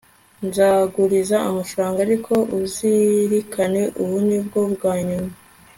nzaguriza amafaranga, ariko uzirikane, ubu ni bwo bwa nyuma